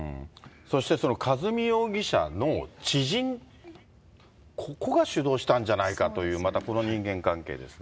そして、その和美容疑者の知人、ここが主導したんじゃないかという、この人間関係ですが。